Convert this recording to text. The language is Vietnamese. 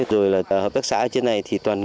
rồi là hợp tác xã ở trên này thì toàn